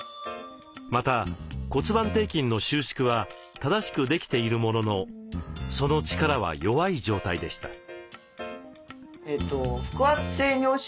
また骨盤底筋の収縮は正しくできているもののその力は弱い状態でした。